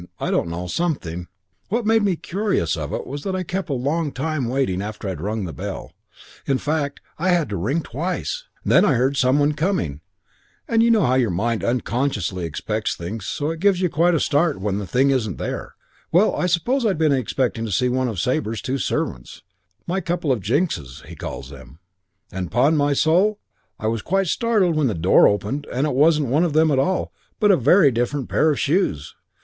I don't know. Something. And what made me conscious of it was that I was kept a long time waiting after I'd rung the bell. In fact, I had to ring twice. Then I heard some one coming, and you know how your mind unconsciously expects things and so gives you quite a start when the thing isn't there; well, I suppose I'd been expecting to see one of Sabre's two servants, 'my couple of Jinkses' as he calls them, and 'pon my soul I was quite startled when the door opened and it wasn't one of them at all, but a very different pair of shoes.